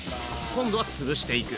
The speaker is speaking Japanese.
今度はつぶしていく。